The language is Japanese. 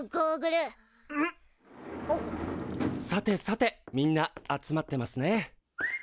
さてさてみんな集まってますね。